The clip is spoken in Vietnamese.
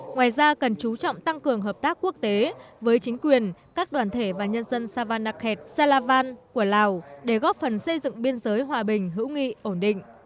ngoài ra cần chú trọng tăng cường hợp tác quốc tế với chính quyền các đoàn thể và nhân dân savannakhet salavan của lào để góp phần xây dựng biên giới hòa bình hữu nghị ổn định